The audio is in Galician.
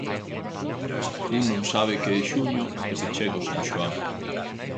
Un non sabe que é xuño até que chega o San Xoan.